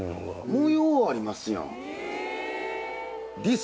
模様ありますやん。